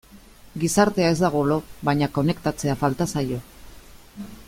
Gizartea ez dago lo, baina konektatzea falta zaio.